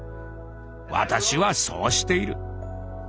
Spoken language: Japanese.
私はそうしている。